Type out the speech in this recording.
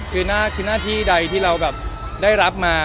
คือหน้าที่ใดที่เราแบบได้รับมา